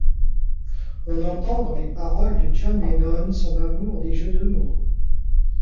On entend dans les paroles de John Lennon son amour des jeux de mots.